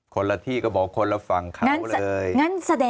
คนละที่ก็บอกคนละฝั่งเขาเลย